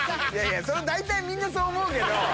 大体みんなそう思うけど。